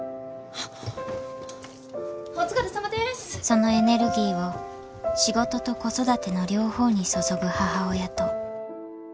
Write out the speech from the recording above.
［そのエネルギーを仕事と子育ての両方に注ぐ母親と］